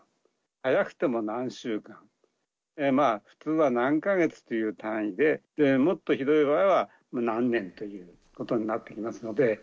早くても何週間、普通は何か月という単位で、もっとひどい場合は、何年ということになってきますので。